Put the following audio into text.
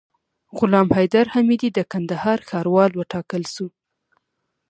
غلام حیدر حمیدي د کندهار ښاروال وټاکل سو